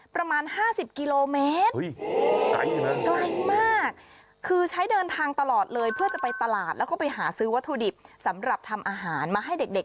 ประมาณ๕๐กิโลเมตรไกลนะไกลมากคือใช้เดินทางตลอดเลยเพื่อจะไปตลาดแล้วก็ไปหาซื้อวัตถุดิบสำหรับทำอาหารมาให้เด็ก